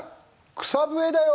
草笛だよ」。